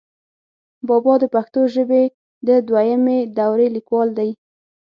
بابا دَپښتو ژبې دَدويمي دورې ليکوال دی،